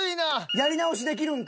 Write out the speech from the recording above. やり直しできるんか。